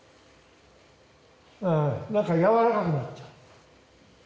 うん何かやわらかくなっちゃう